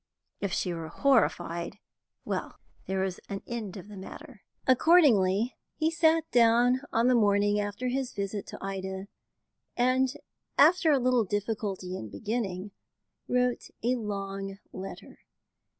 If she were horrified, well, there was an end of the matter. Accordingly, he sat down on the morning after his visit to Ida, and, after a little difficulty in beginning, wrote a long letter.